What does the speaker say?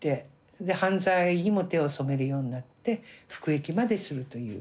で犯罪にも手を染めるようになって服役までするという。